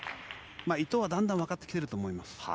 伊藤はだんだん分かってきてると思います。